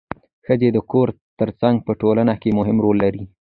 ښځې د کور ترڅنګ په ټولنه کې مهم رول لري